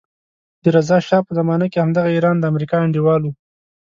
د رضا شا په زمانه کې همدغه ایران د امریکا انډیوال وو.